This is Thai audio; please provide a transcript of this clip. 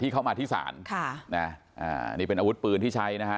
เข้ามาที่ศาลค่ะนะอ่านี่เป็นอาวุธปืนที่ใช้นะฮะ